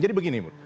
jadi begini bu